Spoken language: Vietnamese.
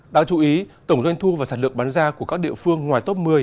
đáng chú ý tổng doanh thu và sản lượng bán ra của các địa phương ngoài top một mươi